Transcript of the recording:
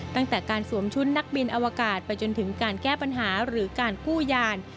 ตั้งแต่การสวมชุดนักบินอวกาศไปจนถึงการแก้ปัญหาหรือการกู้ยาน